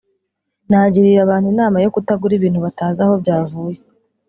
nagira abantu inama yo kutagura ibintu batazi aho byavuye